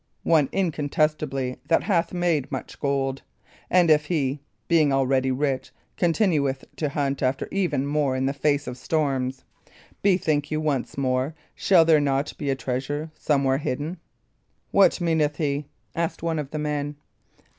One incontestably that hath much gold. And if he, being already rich, continueth to hunt after more even in the face of storms bethink you once more shall there not be a treasure somewhere hidden?" "What meaneth he?" asked one of the men.